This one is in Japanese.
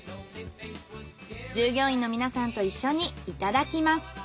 従業員の皆さんと一緒にいただきます。